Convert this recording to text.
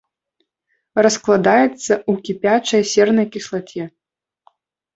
Раскладаецца ў кіпячай сернай кіслаце.